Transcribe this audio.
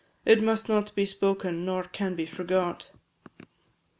It must not be spoken, nor can be forgot.